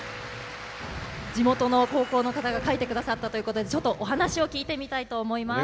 地元の高校の方が書いてくださったということでちょっとお話を聞いてみたいと思います。